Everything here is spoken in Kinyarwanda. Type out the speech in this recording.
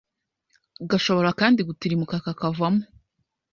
Gashobora kandi gutirimuka kakavamo